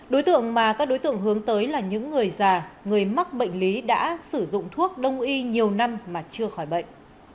đối tượng mà các đối tượng hướng tới là những người già người mắc bệnh lý đã sử dụng thuốc đông y nhiều năm mà chưa khỏi bệnh